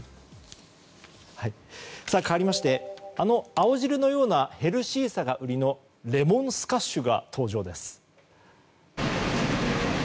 かわりましてあの青汁のようなヘルシーさが売りのレモンスカッシュが登場です。